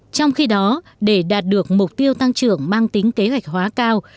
trong khi đó để đạt được mục tiêu tăng trưởng mang tính kế hoạch hóa cao